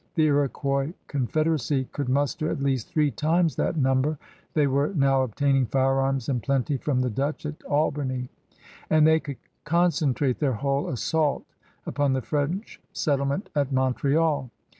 'The Iroquois confederacy could muster at least three times that number; they were now obtaining firearms in plenty from the Dutch at Albany; and they could concentrate their whole assault upon the French settlement at Montreal.